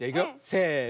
せの。